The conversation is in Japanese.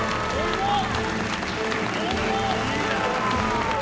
重っ！